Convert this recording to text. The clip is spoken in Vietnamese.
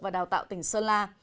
và đào tạo tỉnh sơn la